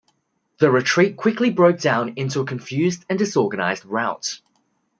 The retreat quickly broke down into a confused and disorganized rout.